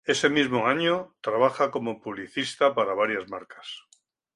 Ese mismo año, trabaja como publicista para varias marcas.